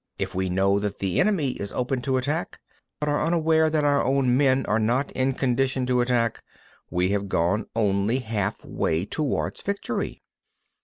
28. If we know that the enemy is open to attack, but are unaware that our own men are not in a condition to attack, we have gone only halfway towards victory.